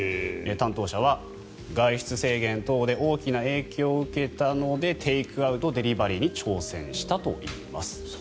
担当者は外出制限等で大きな影響を受けたのでテイクアウト、デリバリーに挑戦したといいます。